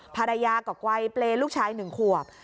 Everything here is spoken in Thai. ภรรยากว่ายเปรย์ลูกชายหนึ่งขวบ